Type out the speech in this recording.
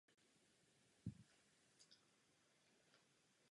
Finanční krize není samozřejmě úplně vyřešena a ani neodezněla.